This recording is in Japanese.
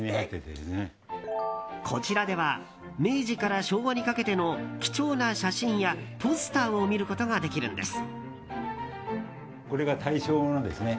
こちらでは明治から昭和にかけての貴重な写真やポスターを見ることができるんです。